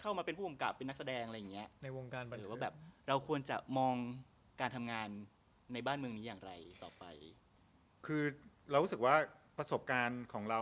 เราก็เลยอยากจะให้เขาฝากหน่อย